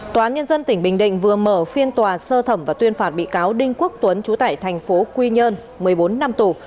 tòa án nhân dân tỉnh bình định vừa mở phiên tòa sơ thẩm và tuyên phạt bị cáo đinh quốc tuấn trú tại thành phố quy nhơn một mươi bốn năm tù